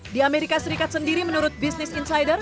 di amerika serikat sendiri menurut business insider